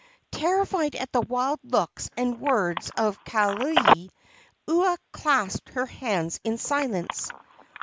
Terrified at the wild looks and words of Kaaialii, Ua clasped her hands in silence.